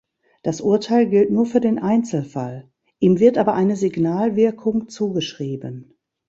Das Urteil gilt nur für den Einzelfall; ihm wird aber eine Signalwirkung zugeschrieben.